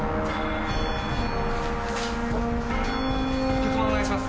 局麻お願いします